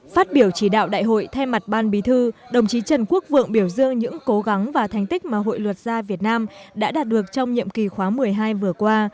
phát biểu chỉ đạo đại hội thay mặt ban bí thư đồng chí trần quốc vượng biểu dương những cố gắng và thành tích mà hội luật gia việt nam đã đạt được trong nhiệm kỳ khóa một mươi hai vừa qua